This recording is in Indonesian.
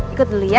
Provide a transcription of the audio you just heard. ikut dulu ya